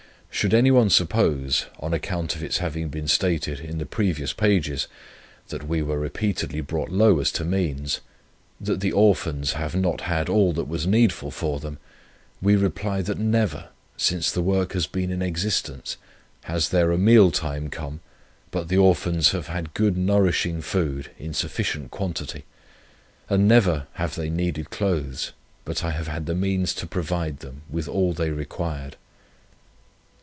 Should anyone suppose, on account of its having been stated in the previous pages that we were repeatedly brought low as to means, that the Orphans have not had all that was needful for them; we reply that never, since the work has been in existence, has there a meal time come, but the Orphans have had good nourishing food in sufficient quantity: and never have they needed clothes, but I have had the means to provide them with all they required.